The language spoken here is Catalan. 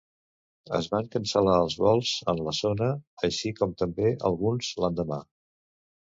Es van cancel·lar els vols en la zona, així com també alguns l'endemà.